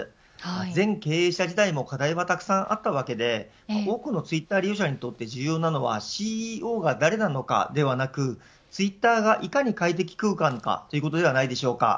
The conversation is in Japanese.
前経営者時代も課題はたくさんあったわけで多くのツイッター利用者にとって重要なのはＣＥＯが誰なのかではなくツイッターがいかに快適空間かということではないでしょうか。